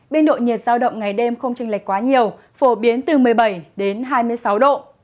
biên độ nhiệt giao động ngày đêm không trình lệch quá nhiều phổ biến từ một mươi bảy đến hai mươi sáu độ